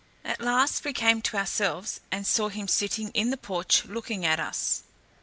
At last we came to ourselves, and saw him sitting in the porch looking at us.